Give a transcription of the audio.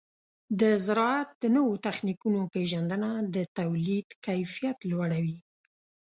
د زراعت د نوو تخنیکونو پیژندنه د تولید کیفیت لوړوي.